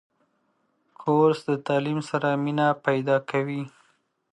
کورس د تعلیم سره مینه پیدا کوي.